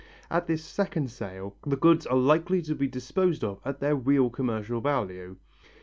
At this second sale the goods are likely to be disposed of at their real commercial value.